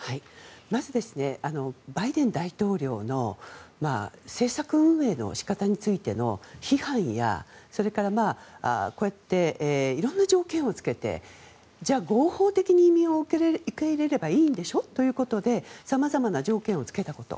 まずバイデン大統領の政策運営の仕方についての批判や、それからいろいろな条件を付けてじゃあ合法的に移民を受け入れればいいんでしょ？ということでさまざまな条件を付けたこと。